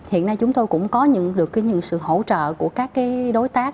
hiện nay chúng tôi cũng có được những sự hỗ trợ của các đối tác